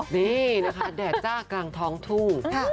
นี่นะคะแดดจ้ากลางท้องทุ่ง